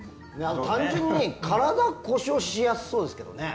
単純に体を故障しやすそうですけどね。